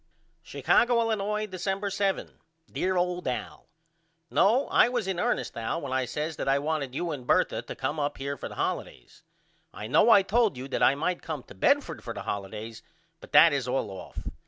Chicago, Illinois, December 7. DEAR OLD AL: No I was in ernest Al when I says that I wanted you and Bertha to come up here for the holidays. I know I told you that I might come to Bedford for the holidays but that is all off.